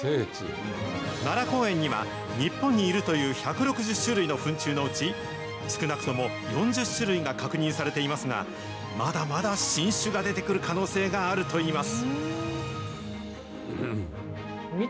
奈良公園には、日本にいるという１６０種類のフン虫のうち、少なくとも４０種類が確認されていますが、まだまだ新種が出てくる可能性があるといいます。